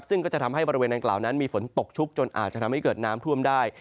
ซึ่งก็จะทำให้บริเวณดังกล่าวนั้นมีฝนตกชุกจนอาจจะทำให้เกิดน้ำท่วมได้